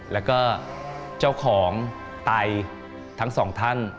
แล้วก็เจ้าของไตทั้งสองท่าน